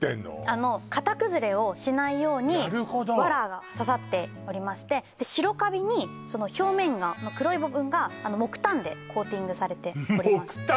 あの型崩れをしないようになるほど藁が刺さっておりまして白カビにその表面の黒い部分が木炭でコーティングされております木炭！？